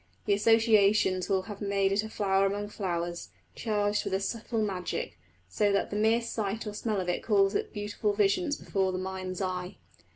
The associations will have made it a flower among flowers, charged with a subtle magic, so that the mere sight or smell of it calls up beautiful visions before the mind's eye.